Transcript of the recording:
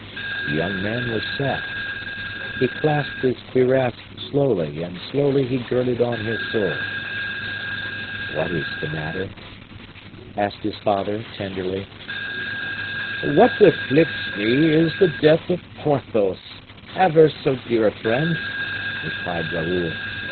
The young man was sad; he clasped his cuirass slowly, and slowly he girded on his sword. "What is the matter?" asked his father, tenderly. "What afflicts me is the death of Porthos, ever so dear a friend," replied Raoul.